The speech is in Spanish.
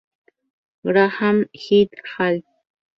Graham "et al.